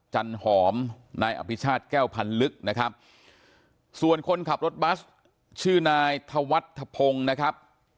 จันหอมนายอภิชาติแก้วพันลึกนะครับส่วนคนขับรถบัสชื่อนายธวัฒพงศ์นะครับ